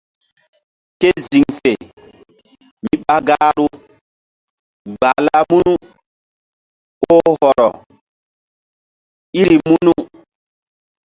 Ke ziŋ fe mi ɓa gahru gbahla munu oh hɔrɔ iri munu.